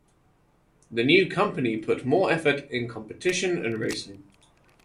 The new company put more effort in competition and racing.